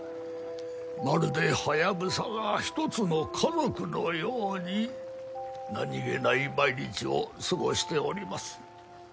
まるでハヤブサが一つの家族のように何げない毎日を過ごしております。